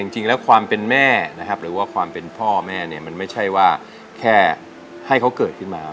จริงแล้วความเป็นแม่นะครับหรือว่าความเป็นพ่อแม่เนี่ยมันไม่ใช่ว่าแค่ให้เขาเกิดขึ้นมา